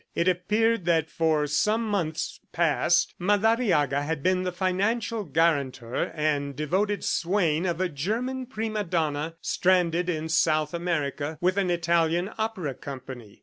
It appeared that for some months past Madariaga had been the financial guarantor and devoted swain of a German prima donna stranded in South America with an Italian opera company.